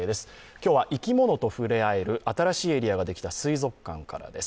今日は、生き物と触れ合える新しいエリアができた水族館からです。